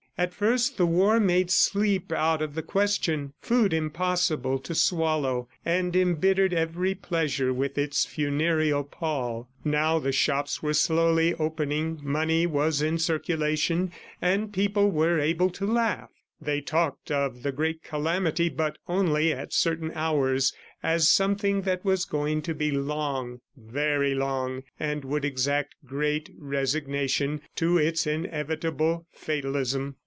At first, the war made sleep out of the question, food impossible to swallow, and embittered every pleasure with its funereal pall. Now the shops were slowly opening, money was in circulation, and people were able to laugh; they talked of the great calamity, but only at certain hours, as something that was going to be long, very long and would exact great resignation to its inevitable fatalism.